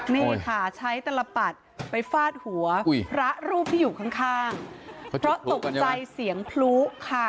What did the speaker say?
นี่ค่ะใช้ตลปัดไปฟาดหัวพระรูปที่อยู่ข้างเพราะตกใจเสียงพลุค่ะ